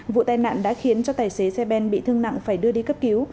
vụ tai nạn đã khiến cho tài xế xe ben bị thương nặng phải đưa đi cấp cứu